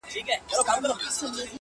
ور ښکاره یې کړې تڼاکي د لاسونو!!